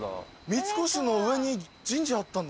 三越の上に神社あったんだな。